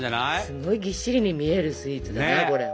すごいぎっしりに見えるスイーツだなこれ。